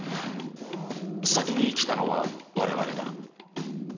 「先に来たのは我々だ」。